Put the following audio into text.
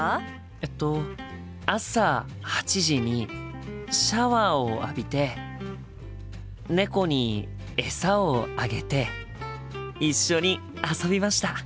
えっと朝８時にシャワーを浴びて猫にえさをあげて一緒に遊びました。